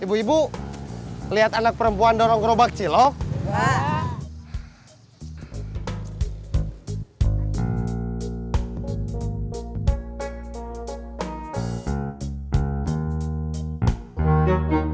ibu ibu lihat anak perempuan dorong gerobak cilok